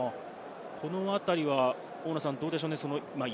このあたりはどうでしょうね？